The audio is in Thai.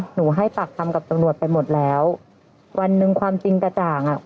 หนูให้ปากคำกับตำรวจไปหมดแล้ววันหนึ่งความจริงกระจ่างอ่ะ